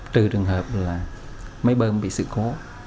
trừ đường hợp máy bơm bị sự khổ